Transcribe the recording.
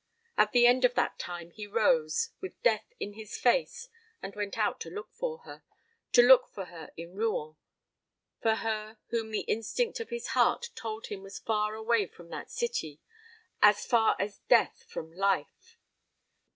At the end of that time he rose, with death in his face, and went out to look for her to look for her in Rouen; for her whom the instinct of his heart told him was far away from that city as far as death from life.